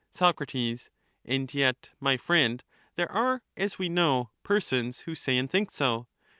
Soc, And yet, my friend, there are, as we know, persons 44 who say and think so.